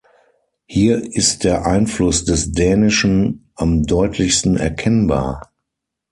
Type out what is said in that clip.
Hier ist der Einfluss des Dänischen am deutlichsten erkennbar.